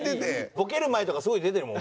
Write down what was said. ボケる前とかすごい出てるもん。